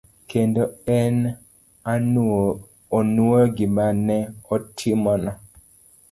Kendo ne onuoyo gima ne otimono.